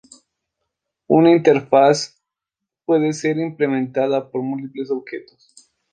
Una interface puede ser implementada por múltiples objetos.